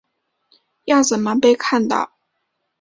要怎么被看到